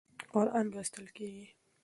قرآن لوستل کېږي.